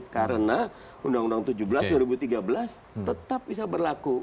karena undang undang tujuh belas dua ribu tiga belas tetap bisa berlaku